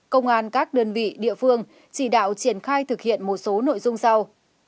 công an các đơn vị địa phương chỉ đạo triển khai thực hiện một số nội dung sau